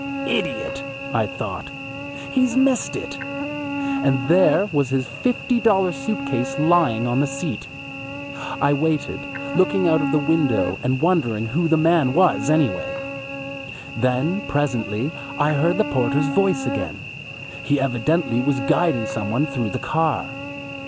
"Idiot," I thought, "he's missed it;" and there was his fifty dollar suit case lying on the seat. I waited, looking out of the window and wondering who the man was, anyway. Then presently I heard the porter's voice again. He evidently was guiding someone through the car.